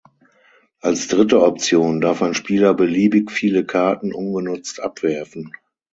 Als dritte Option darf ein Spieler beliebig viele Karten ungenutzt abwerfen.